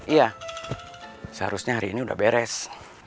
iya seharusnya hari ini udah beres